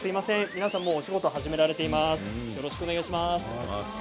皆さんもうお仕事を始められています。